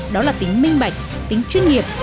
đó là tính minh bạch tính chuyên nghiệp